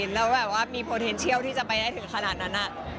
แล้วแบบว่ามีปอนเทนเชียวที่จะไปทิศขนาดนั้นน่ะ